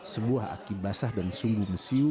sebuah aki basah dan sumbu mesiu